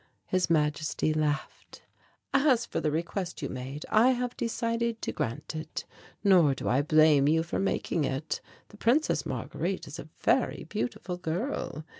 His Majesty laughed. "As for the request you made, I have decided to grant it. Nor do I blame you for making it. The Princess Marguerite is a very beautiful girl.